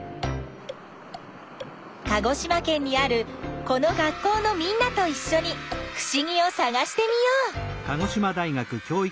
鹿児島県にあるこの学校のみんなといっしょにふしぎをさがしてみよう！